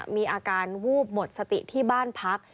มีอาการวูบหมดสติที่บ้านพัก